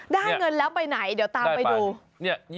ได้เงินแล้วไปไหนเดี๋ยวตามไปดู